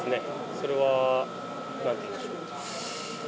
それはなんていうんでしょう。